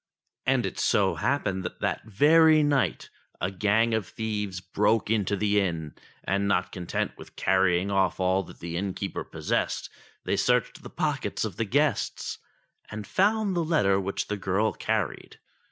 And it so happened that that very night a gang of thieves broke into the inn, and not content with carrying off all that the innkeeper possessed, they searched the pockets of the guests, and found the letter which the girl carried.